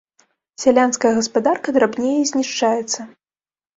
Сялянская гаспадарка драбнее і знішчаецца.